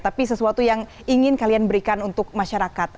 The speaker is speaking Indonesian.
tapi sesuatu yang ingin kalian berikan untuk masyarakat